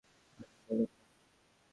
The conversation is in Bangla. আরে, বলুন না।